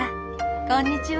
こんにちは！